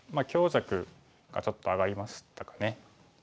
強弱がちょっと上がりましたかね。